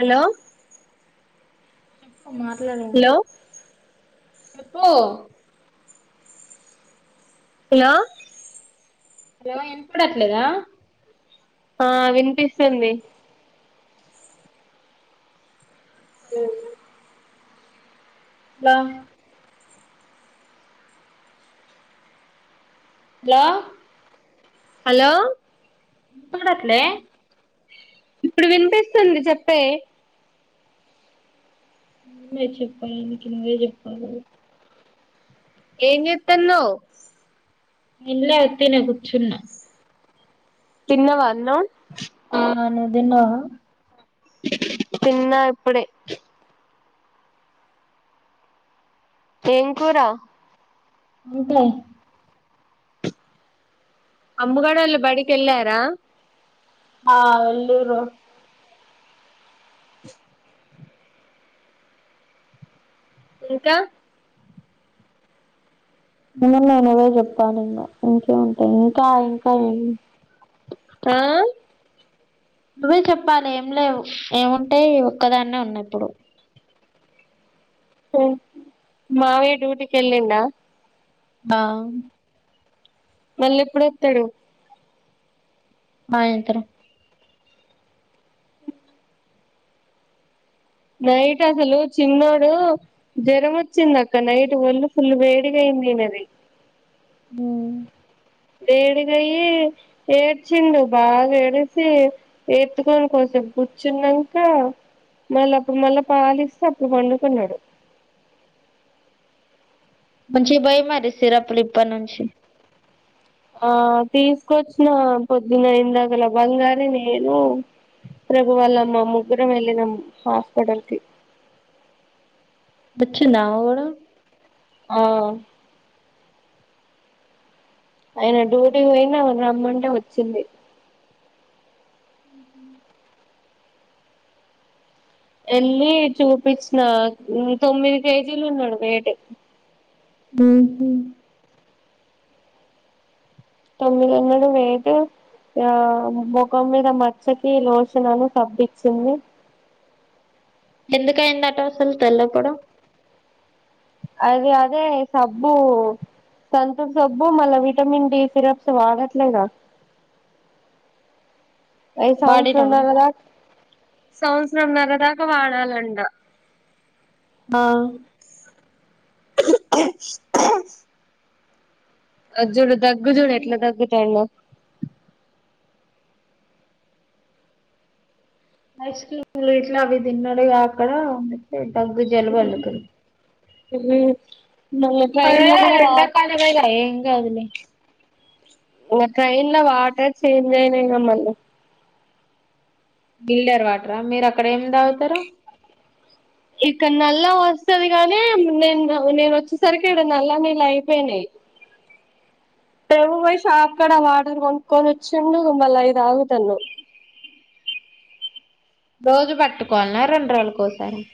Hello మాట్లాడ hello చెప్పు hello ఏమో వినపడట్లేదా ఆ వినిపిస్తుంది అ అలా హలో హలో పడట్లే ఇప్పుడు వినిపిస్తుంది చెప్పే నువే చెప్పాలి నకు నువ్వే చెప్పాలి ఏం చేతన్నావ్. ఏం లే ఉత్తినే కూర్చున్నా. తిన్నావా అన్నం ఆ నువ్వు తిన్నావా తిన్న ఇప్పుడే ఏం కూర వంకాయ అమ్ముగాడోళ్ళు బడికి ఎళ్ళారా ఆ వెళ్ళూరు ఇంకా అ నువ్వే చెప్పాలి ఇంకా ఇంకేం ఉంటాయి ఇంకా ఇంకా. ఆ నువ్వే చెప్పాలి ఏం లేవు ఏముంటే ఒక్కదాన్నే ఉన్నాయి ఇప్పుడు. మావయ్య డ్యూటీకి వెళ్ళిండ ఆ మళ్ళీ ఎప్పుడు వత్తాడు ఆ ఎంతనొ నైట్ అసలు చిన్నోడు జ్వరం వచ్చింది అక్క నైట్ ఒళ్ళు ఫుల్లు వేడిగాయింది ఈయనది ఉ వేడిగయ్య ఏడ్చిండు బాగా ఏడిస్తే ఏత్తుకోని కోసం కూర్చున్నాక మళ్ళా అప్పుడు మళ్ళా పాలిస్తే అప్పుడు పండుకున్నాడు మంచిగా పోయి మరీ సిరప్ లు ఇప్పటినుంచి ఆ తీసుకొచ్చిన పొద్దున ఇందాకల బంగారీ నేను ప్రభు వల్ల అమ్మ ముగ్గురం వెళ్ళినం హాస్పిటల్ కి వచ్చిందా అవాడ ఆ అయన డ్యూటీకి పోయినా రమ్మంటే వచ్చింది వెళ్ళి చూపించిన తొమ్మిది కేజీలు ఉన్నాడు వెయిట్ ఉహు తొమ్మిది ఉన్నాడు వేయిట్ ఆ ముఖం మీద మచ్చకి లోషన్ అని సబ్బు ఇచ్చింది ఎందుకు ఆయింది అట అసలు తెల్ల పొడ అది అదే సబ్బు సంతూర్ సబ్బు మళ్ళా విటమిన్ డి సిరప్స్ వాడట్లేదా అవి సంవత్సరం బాడీలోనా నర్రా దాకా సంవత్సరం నరదాకా వాడాలంట ఆ అ జుడు దగ్గుజూడు ఎట్లా దగ్గుతందొ ఐస్ క్రీమ్లు ఇట్లా అవి తిన్నాడుగా అక్కడ అందుకే దగ్గు జలుబు అల్లుకుంది ఊ పడే ఎండకాలమేగా ఏగాదు లే ఇగ ట్రైన్లో వాటర్ చేంజ్ అయినాయిగా మళ్లీ గిల్డర్ వాట్రా మీరు అక్కడ ఏం తగుతారు ఇక్కడ నల్ల వస్తది గాని నేన్ దాగ్ నేను వచ్చేసరికి ఇక్కడ నల్ల నీళ్ళు అయిపోయినయి తేవు పోయి షాప్ కాడ వాటర్ కొనుకొని వచ్చిండు మళ్ళా అయి తాగుతున్నామ్ రోజు పట్టుకోవాల్నా రెండు రోజులకు ఓసారినా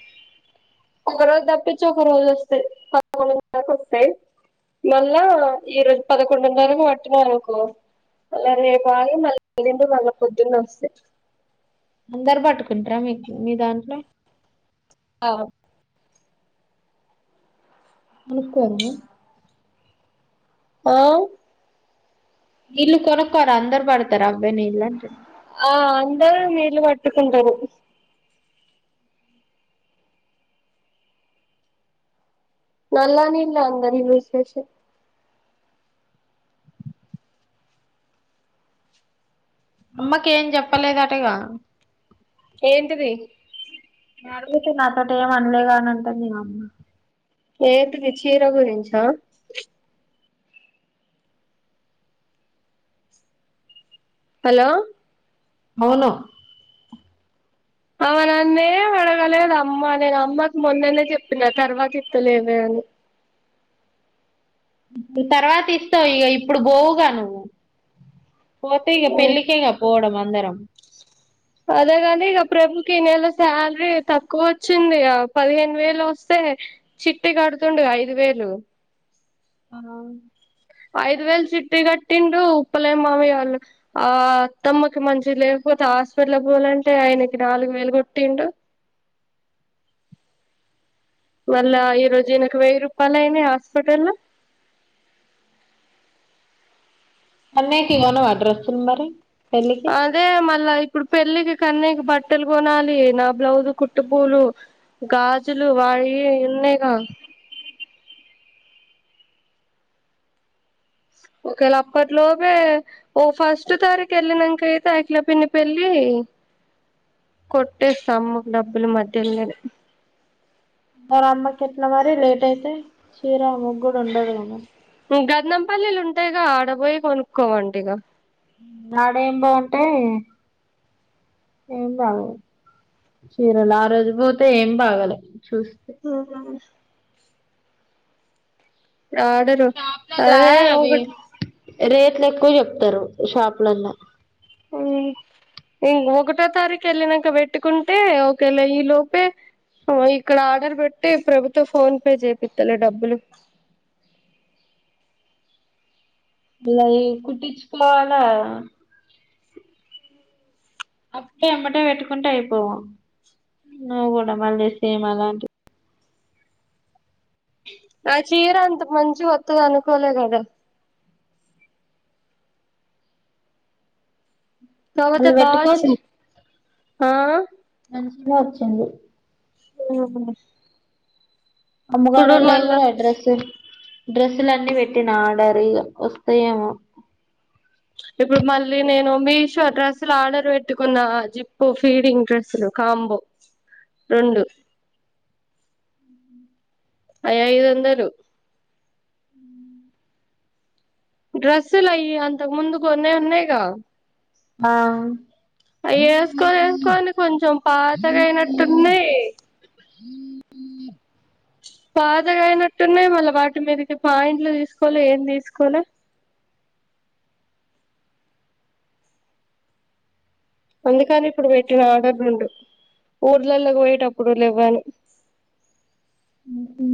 ఒక రోజు తప్పించి ఒక రోజు వస్తాయి పదకొండుంవరకు వస్తాయి మళ్ళా ఈ రోజు పదకొండూనారకు పట్టునాము అనుకో మళ్ళా రేపు ఆగి మళ్ళీ ఎల్లిండి మళ్ళా పొద్దున్న వస్తాయి అందరు బట్టుకుంట్రా మీక్ మీ దాంట్లో అవో కోనుకోరా ఆ ఇల్లు కొనుక్కోరా అందరు బడతార అవే నీళ్ళు అంటున్నా ఆ అందరం నీళ్ళు పట్టుకుంటారు నల్ల నిల్లే అందరి విశేష్ అమ్మకి ఏం చెప్పలేదటగా ఎంటిది నే అడుగుతున్న నాతోటి ఏం అనలేగా అన్ని అనుటుంది మాఅమ్మ ఏంటిది చీర గురించా హలో అవును ఆమె నన్నే మీ అడగలేదు అమ్మ నేను అమ్మకి మొన్ననే చెప్పిన తర్వాత ఇస్తలేవే అని తర్వాత ఇస్తావు ఇగ ఇప్పుడు బోవుగా నువ్వు పోతే ఇగ పెళ్లికేగా పోవడము దరం అదేగాని ఇక ప్రభుకి ఈ నెల సాలరీ తక్కువ వచ్చింది పదిహేను వేలు వస్తే చిట్టి కడుతుండుగా ఐదు వేలు ఆహా ఐదు వేలు చిట్టి కట్టిండు ఉప్పలే మావయ్య వాళ్ల ఆ అత్తమ్మకి మంచి లేకపోతే హాస్పిటల్ పోవలంటే ఆయనకి నాలుగు వేలు కొట్టిండు మల్ల ఈరోజు ఇనకు వెయ్యి రూపాలు అయినాయి హాస్పిటల్ల మొన్నటివి కొన్నావా ఆ డ్రెస్సుల్ మరి పెళ్ళికి అదే మల్ల ఇప్ ఇప్పుడు పెళ్లికి కన్నయ్ కి బట్టల్ గొనాలి నా బ్లౌజు కుట్టు కూలు గాజులు వాయి ఉన్నాయిగా ఒకేలా అప్పట్లోపే ఓ ఫస్ట్ తారీక్ ఏళ్లినంక అయితే అఖిల పిన్ని పెళ్లి కొట్టేస్తా అమ్మకి డబ్బులు మధ్యల్నేలె మరి అమ్మకి ఎట్లా మరి లేట్ అయితే చీర ముగ్గురు ఉండదు గానే గంధం పల్లీలు ఉంటయిగా ఆడబోయి కొనుక్కోవండి ఇగ ఆడేం ఏం బాగుంటయి ఏం బాగోవు చీరలు ఆ రోజు పోతే ఏం బాగాలే హుహు ఆర్డరు షాప్లలా అదే అవి ఒకటి రేట్లు ఎక్కువ చెప్తారు షాప్లల్ల హు మీ ఒకటో తారీకు ఏళ్లినాక పెట్టుకుంటే ఒకేలా ఈ లోపే ఇక్కడ ఆర్డర్ పెట్టి ప్రభుతో ఫోన్ పే చేపిత్త లే డబ్బులు పులయి కుట్టిచ్చుకోవాలా అప్పే ఏమంటే పెట్టుకుంటే అయిపోవు నువు కూడా మళ్లి సేమ్ అలాంటివి ఆ చీర అంత మంచిగా వత్తది అనుకోలే గదా తవాత మళ్ళీ బావచ్చింది పెట్టుకోవచ్చు ఆ సినిమా ఓచ్చింది ఆహా అమ్మవాడల్లై కూడా అడ్రస్సు డ్రెస్సులన్నీ పెట్టినా ఆర్డరూ ఇగ వస్తాయేమో ఇప్పుడు మళ్లీ నేను మీషో డ్రస్సులు ఆర్డర్ పెట్టుకున్నా జిప్పు ఫీడింగ్ డ్రెస్సులు కాంబో రెండు ఐ ఐదువందలు డ్రెస్సులు అయ్యి అంతకు ముందు కొన్నై ఉన్నయ్ గా ఆ అయ్యి ఏసుకొని ఏసుకొని కొంచెం పాతగా అయినట్టున్నై పాతగైనట్టున్నై మళ్ళీ వాటి మీదకి పాయింట్లు తీసుకోలే ఏం తీసుకోలే అందుకని ఇప్పుడు పెట్టిన ఆర్డర్ రెండు ఊర్లల్లకి పోయేటప్పుడు లెవ్వనీ ఉమ్ హు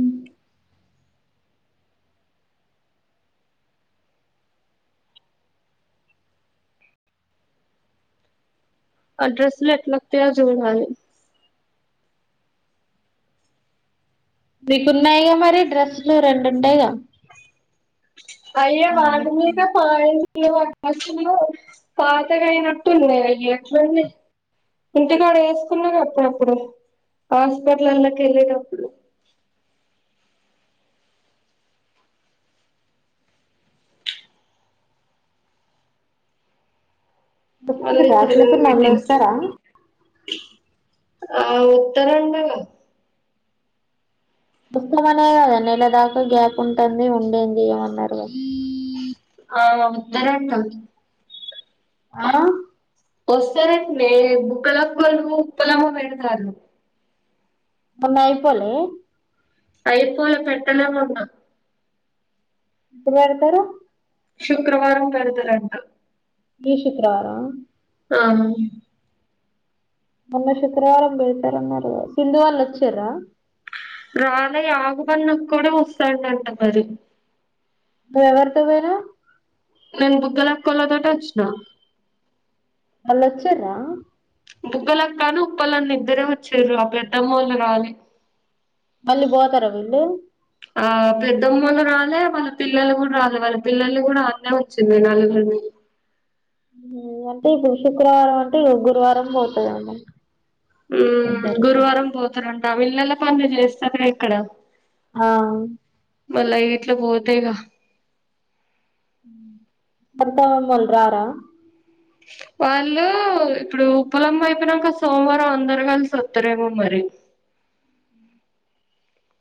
ఆ డ్రెస్సులు ఎట్లోత్తయో చూడాలి నీకు ఉన్నాయిగా మరి డ్రెస్సులు రెండు ఉండయిగా అయ్యో వాటి మీద పాయింట్లు నువ్ ఆ డ్రెస్సులు పాతగా అయినట్టు ఉన్నయి అయ్యి ఎట్లున్నయి ఇంటికాడ వేసుకున్నగా అప్పుడప్పుడు హాస్పిటల్లలకి ఎళ్ళేటప్పుడు మళ్ళీ వచ్చింర సలూన్ కుర్సున్నా అన్న పెట్టిన అస్తర ఆ ఉత్తరంలో వస్తవనే గదా నెలదాకా గ్యాప్ ఉంటాంది ఉండేంది అన్నారు ఆ యా వత్తరంటా ఆ వస్తారన్ వే బుక్కలక్కోళ్లు ఉప్పలమో పెడతాళ్ళు మొన్న అయిపోలే అయిపోలే పెట్టలే మొన్న ఎప్పుడ్ పెడతరు శుక్రవారం పెడుతారంట ఈ శుక్రవారమా ఆ మొన్న శుక్రవారం పెడతారన్నారగా సింధు వాళ్ళు వచ్చారా రాలే ఆకు పన్నుకు కూడ వస్తాడంట మరి నువ్ ఎవరితో పోయినావ్ నేను బుగ్గలక్కోల్ల తోటి ఒచ్చిన వళ్ళు వచ్చిర్రా బుగ్గలకాళ్ళు ఉప్పలన్న ఇద్దరే వచ్చిర్రు ఆ పెద్దమ్మోళ్ళు రాలే మళ్ళీ పోతరా వీళ్ళు ఆ పెద్దమొళ్ళు రాలే, వాళ్ళ పిల్లలు కూడా రాలే వాళ్ళ పిల్లలు కూడా అన్నే ఉంచింది నలుగురిని. హు అంటే ఇప్పుడు శుక్రవారం అంటే ఇగ గురువారం పోతాది ఆమె హుమ్మ్ గురువారం పో తరంట వీళ్ళలా పనులు చేస్తార్ గా ఇక్కడ ఆ మళ్ళ ఇట్ల పోతే ఇగా అత్త మామల్ రారా వాళ్ళు ఇప్పుడు ఉప్పలమ్మ అయిపోయినంక సోమవారం అందరు కలిసి వస్తారేమో మరి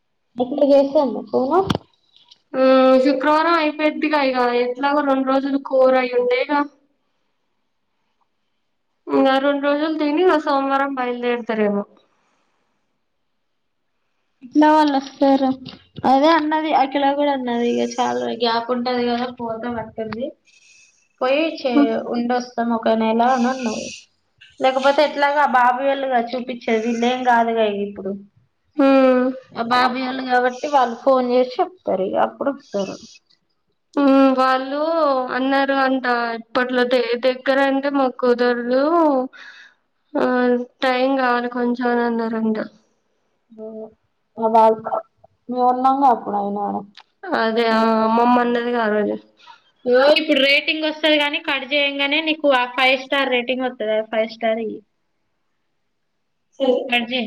[unintelligible] ఆ శుక్రవారం అయిపోయిద్దిగా ఇగా ఎట్లాగో రెండు రోజులు కూర అయి ఉంటాయిగా ఇగ రెండు రోజులు తిని సోమవారం బయలుదేరుతరెమో ఇట్లా వాళ్ళు వస్తారు అదే అన్నది అకిలా కూడా అన్నది ఇక చాలా గ్యాప్ ఉంటది కదా పోదాం అంటుంది పోయి చే ఉండస్త మొత్తం ఒక నెలా అని అన్నావ్ లేకపోతే ఎట్లాగా బాబు వాళ్ళే గా చూపించేది. ఏమ్ కాదులే ఇగ ఇప్పుడు ఉమ్ హా బాబాయ్ వాళ్ళు కాబట్టి ఒకటి వాళ్ళు ఫోన్ చేసి చెప్తారు ఇక అప్పుడు వస్తారు వాళ్ళు అన్నారు అంట ఇప్పట్లో ఐతే దగ్గర అంటే మొక్కుతారు. ఆ టైం కావాలి కొంచెం అని అన్నారంట అ వాళ్లు మీం ఉన్నాంగా అప్పుడైనా కానీ అదే ఆ అమ్మమ్మ అన్నది కదా అదే ఓ ఇప్పుడు రేటింగ్ వస్తది కానీ కట్ చేయంగానే నీకు ఆ ఫైవ్ స్టార్ రేటింగ్ వస్తుంది ఫైవ్ స్టార్ ఆజీ